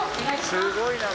すごいな！